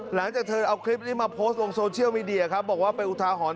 หลังจากเธอเอาคลิปนี้มาโพสต์ลงโซเชียลมีเดียครับบอกว่าเป็นอุทาหรณ